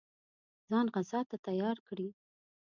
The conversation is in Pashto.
ځان غزا ته تیار کړي.